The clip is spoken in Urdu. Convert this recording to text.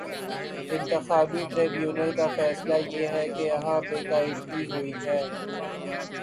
انتخابی ٹربیونل کا فیصلہ یہ ہے کہ یہاں بے قاعدگی ہو ئی ہے۔